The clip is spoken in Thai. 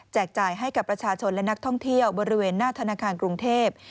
จ่ายให้กับประชาชนและนักท่องเที่ยวบริเวณหน้าธนาคารกรุงเทพ